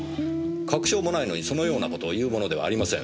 確証もないのにそのような事を言うものではありません。